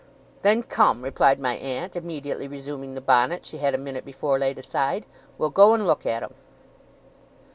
'Then come,' replied my aunt, immediately resuming the bonnet she had a minute before laid aside. 'We'll go and look at 'em.